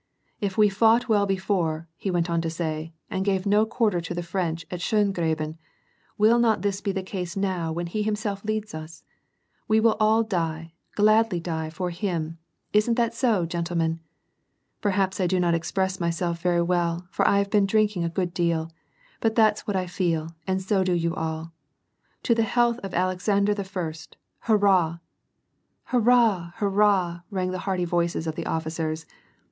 If we fought well before," he went on to say, " and gave no quarter to the French at Schdngraben, will not this be the case now when he himself leads us ? We will all die, gladly die for him ! Isn't that so, gentlemen ? Per haps I do not express myself very well, for I have been drink ing a good deal, but that's what I feel, and so do you all ! To the health of Alexander the First ! Hurrah !"" Hurrah ! hurrah !" rang the hearty voices of the officers.